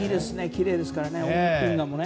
きれいですからね、運河もね。